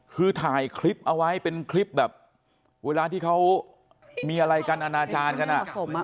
คือถ่ายคลิปเอาไว้เป็นคลิปแบบเวลาที่เขามีอะไรกันอนาจารย์กันอ่ะ